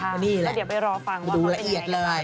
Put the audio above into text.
แบบนี้แหละเราเดี๋ยวไปรอฟังว่าเขาเป็นยังไง